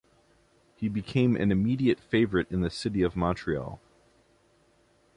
He became an immediate fan favorite in the city of Montreal.